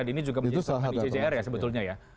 tadi ini juga menyebutkan ijjr ya sebetulnya ya